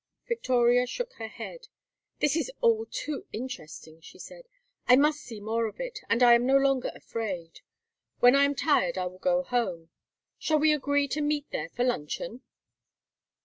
Victoria shook her head. "This is all too interesting," she said. "I must see more of it, and I am no longer afraid. When I am tired I will go home. Shall we agree to meet there for luncheon?"